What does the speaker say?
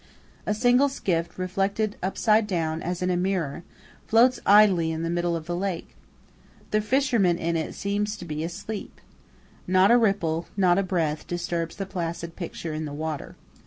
A single skiff, reflected upside down as in a mirror, floats idly in the middle of the lake. The fisherman in it seems to be asleep. Not a ripple, not a breath, disturbs the placid picture in the water.